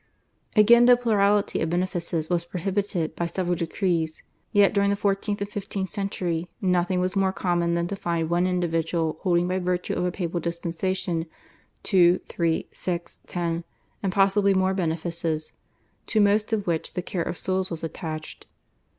Again though plurality of benefices was prohibited by several decrees, yet during the fourteenth and fifteenth centuries nothing was more common than to find one individual holding, by virtue of a papal dispensation, two, three, six, ten, and possibly more benefices to most of which the care of souls was attached.